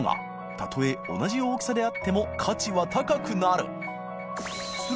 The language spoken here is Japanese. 燭箸同じ大きさであっても価値は高くなる磴